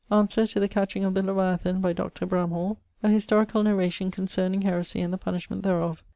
Answer to The Catching of the Leviathan by Dr. Bramhall. A historical narration concerning heresy and the punishment thereof.